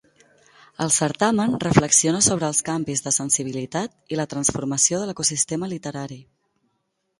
El certamen reflexiona sobre els canvis de sensibilitat i la transformació de l'ecosistema literari.